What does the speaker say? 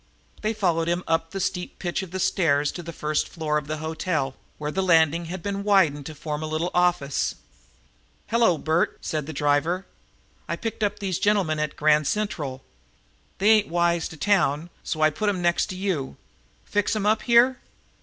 They followed up a steep pitch of stairs to the first floor of the hotel, where the landing had been widened to form a little office. "Hello, Bert," said their driver. "I picked up these gentlemen at Grand Central. They ain't wise to the town, so I put 'em next to you. Fix 'em up here?"